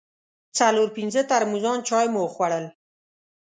څلور پنځه ترموزان چای مو وخوړل.